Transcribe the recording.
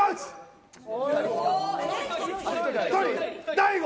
大悟！